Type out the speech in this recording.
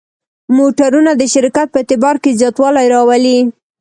موټرونه د شرکت په اعتبار کې زیاتوالی راولي.